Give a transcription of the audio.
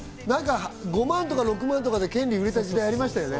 ５万とか６万で権利を売れた時代ありましたね。